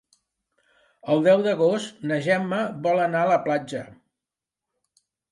El deu d'agost na Gemma vol anar a la platja.